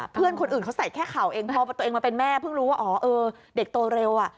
เพื่อนคนอื่นเขาใส่แค่เข่าเองพอตัวเองมาเป็นแม่เพิ่งรู้ว่าอ๋อเออเด็กโตเร็วอ่ะ